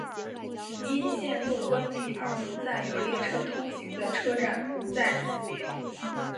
因线路关闭而不再有列车通行的车站不在此列。